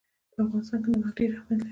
په افغانستان کې نمک ډېر اهمیت لري.